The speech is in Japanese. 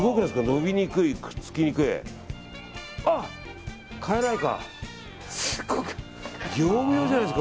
のびにくい、くっつきにくい。